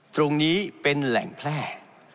ตรงนี้เป็นแหล่งแพร่